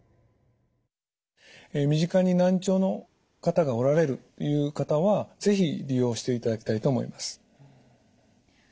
身近に難聴の方がおられるっていう方は是非利用していただきたいと思います。